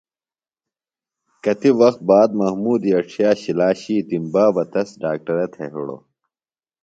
کتیۡ وخت باد محمودی اڇھیہ شِلا ݜِیتِم۔ بابہ تس ڈاکٹرہ تھےۡ ہِڑوۡ۔